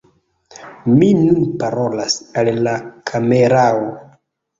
Mi nun parolas al la kamerao!